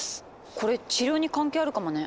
これ治療に関係あるかもね。